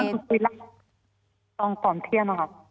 คุณสีรีรัสต้องสอนเที่ยงนะครับ